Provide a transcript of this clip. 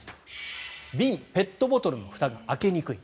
瓶、ペットボトルのふたが開けにくい。